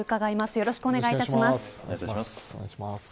よろしくお願いします。